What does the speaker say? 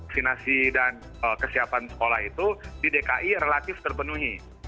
sinasi dan kesiapan sekolah itu di dki relatif terpenuhi